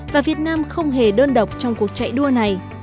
và việt nam không hề đơn độc trong cuộc chạy đuôn